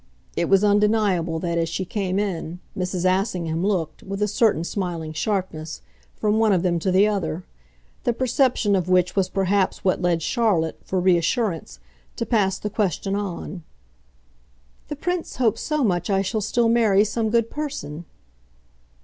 It was undeniable that, as she came in, Mrs. Assingham looked, with a certain smiling sharpness, from one of them to the other; the perception of which was perhaps what led Charlotte, for reassurance, to pass the question on. "The Prince hopes so much I shall still marry some good person."